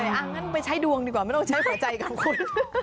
อย่างนั้นไปใช้ดวงดีกว่าไม่ต้องใช้หัวใจกับคุณ